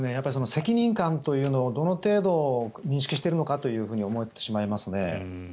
責任感というのをどの程度、認識しているのかと思ってしまいますね。